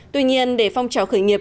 tuy nhiên để phong trào khởi nghiệp